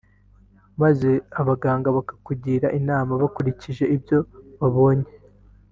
maze abaganga bakakugira inama bakurikije ibyo babonye